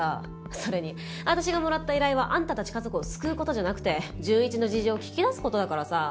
それに私がもらった依頼はあんたたち家族を救う事じゃなくて潤一の事情を聞き出す事だからさ。